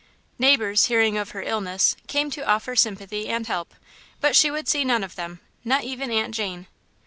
Neighbours, hearing of her illness, came to offer sympathy and help, but she would see none of them not even Aunt Jane.